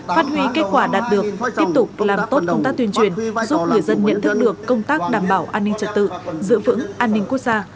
phát huy kết quả đạt được tiếp tục làm tốt công tác tuyên truyền giúp người dân nhận thức được công tác đảm bảo an ninh trật tự giữ vững an ninh quốc gia